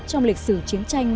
trong lịch sử chiến tranh